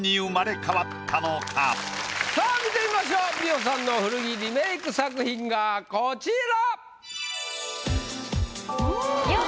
さぁ見てみましょう美緒さんの古着リメイク作品がこちら！